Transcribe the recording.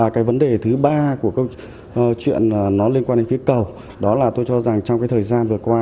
cái vấn đề thứ ba của câu chuyện nó liên quan đến phía cầu đó là tôi cho rằng trong cái thời gian vừa qua